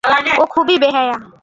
ও খুবই বেহায়া।